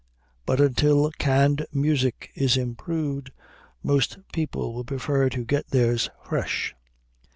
But until canned music is improved, most people will prefer to get theirs fresh.